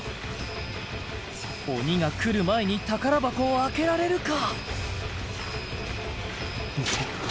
鬼が来る前に宝箱を開けられるか？